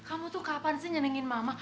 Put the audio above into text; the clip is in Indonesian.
kamu tuh kapan sih nyenengin mama